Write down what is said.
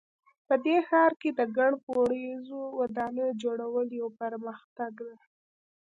په دې ښار کې د ګڼ پوړیزو ودانیو جوړول یو پرمختګ ده